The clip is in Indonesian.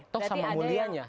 tok sama mulianya